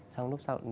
xong lúc sau